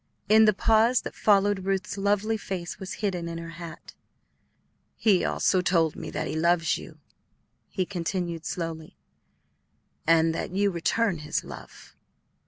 In the pause that followed Ruth's lovely face was hidden in her hat. "He also told me that he loves you," he continued slowly, "and that you return his love.